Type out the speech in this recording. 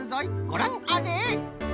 ごらんあれ！